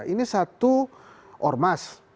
ini satu ormas